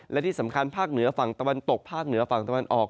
และที่สำคัญภาคเหนือฝั่งตะวันตกภาคเหนือฝั่งตะวันออก